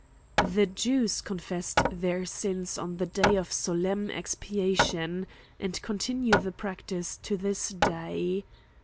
— The Jews confessed their sins on the day of so lemn expiation, and continue the practice to this day.